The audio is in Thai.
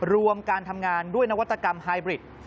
รวมการทำงานด้วยนวัตกรรมไฮบริด